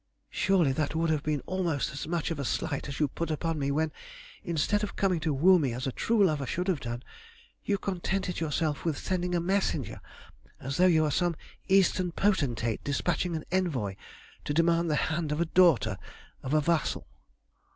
Surely that would have been almost as much of a slight as you put upon me when, instead of coming to woo me as a true lover should have done, you contented yourself with sending a messenger as though you were some Eastern potentate despatching an envoy to demand the hand of the daughter of a vassal.